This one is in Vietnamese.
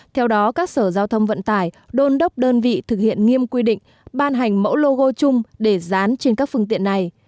theo đó các sở giao thông vận tải đôn đốc đơn vị thực hiện nghiêm quy định ban hành mẫu logo chung để dán trên các phương tiện này